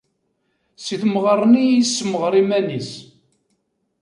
Si temɣer-nni i yessemɣar iman-is.